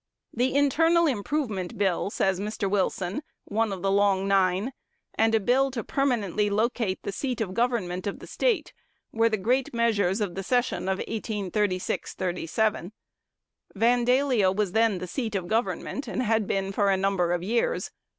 "The Internal Improvement Bill," says Mr. Wilson (one of the "Long Nine"), "and a bill to permanently locate the seat of government of the State, were the great measures of the session of 1836 7. Vandalia was then the seat of government, and had been for a number of years.